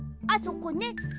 あそこね！